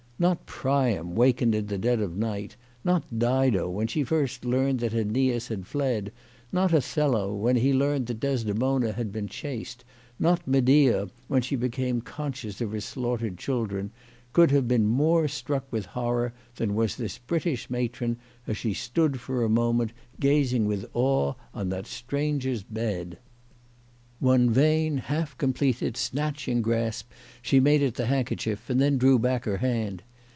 Not Priam wakened in the dead of night, not Dido when first she learned that ZEneas had fled, not Othello when he learned that Desdemona had been chaste, not Medea when she becamS conscious of her slaughtered children, could have been more struck with horror than was this British matron as she stood for a moment gazing with awe on that stranger's bed. One vain, 218 CHRISTMAS AT THOMPSON HALL. half completed, snatching grasp she made at the hand kerchief, and then drew back her hand.